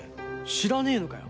知らねえのかよ。